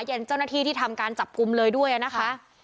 เจ้าหน้าที่ที่ทำการจับกลุ่มเลยด้วยนะคะ